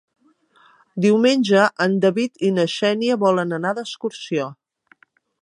Diumenge en David i na Xènia volen anar d'excursió.